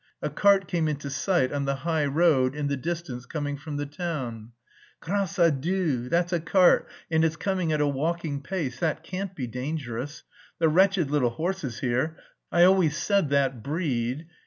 A cart came into sight on the high road in the distance coming from the town. "Grace à Dieu, that's a cart and it's coming at a walking pace; that can't be dangerous. The wretched little horses here... I always said that breed...